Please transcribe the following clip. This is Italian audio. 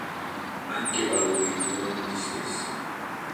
Anche i valori furono gli stessi.